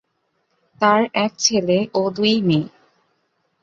তাঁর এক ছেলে ও দুই মেয়ে।